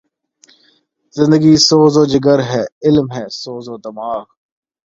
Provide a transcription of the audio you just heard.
زندگی سوز جگر ہے ،علم ہے سوز دماغ